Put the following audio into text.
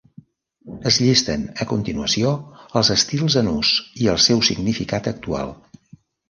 Es llisten a continuació els estils en ús i el seu significat actual.